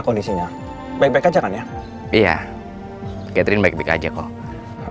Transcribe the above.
catherine baik baik aja kok